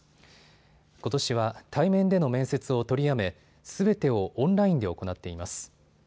ことしは対面での面接を取りやめすべてをオンラインで行っています。